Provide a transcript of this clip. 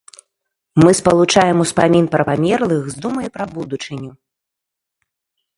Мы спалучаем успамін пра памерлых з думай пра будучыню.